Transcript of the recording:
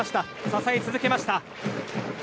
支え続けました。